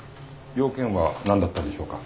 用件はなんだったんでしょうか？